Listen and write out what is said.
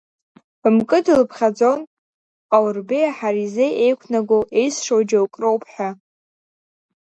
Мкыд илԥхьаӡон Ҟаурбеии Ҳаризеи еиқәнаго, еизшоу џьоукы роуп ҳәа.